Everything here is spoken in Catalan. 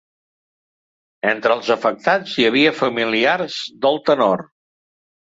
Entre els afectats hi havia familiars del tenor.